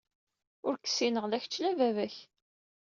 Ur k-ssineɣ la kečč, la baba-k.